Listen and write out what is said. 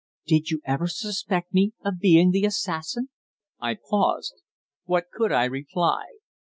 "Did you ever suspect me of being the assassin?" I paused. What could I reply?